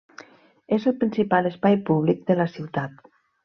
És el principal espai públic de la ciutat.